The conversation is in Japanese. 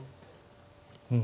うん。